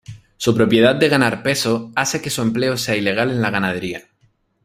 Su propiedad de ganar peso, hace que su empleo sea ilegal en la ganadería.